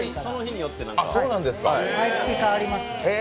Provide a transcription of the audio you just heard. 毎月変わります。